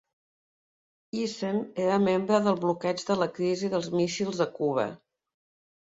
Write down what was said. Hissem era membre del bloqueig de la crisi dels míssils a Cuba.